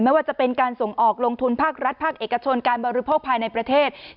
ไม่ว่าจะเป็นการส่งออกลงทุนภาครัฐภาคเอกชนการบริโภคภายในประเทศ